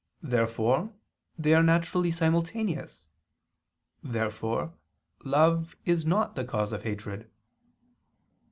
Therefore they are naturally simultaneous. Therefore love is not the cause of hatred.